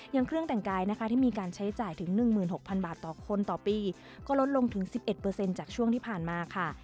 เครื่องแต่งกายนะคะที่มีการใช้จ่ายถึง๑๖๐๐บาทต่อคนต่อปีก็ลดลงถึง๑๑จากช่วงที่ผ่านมาค่ะ